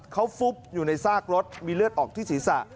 เขาฟุบอยู่ในซากรถมีเลือดออกที่ศีรษะ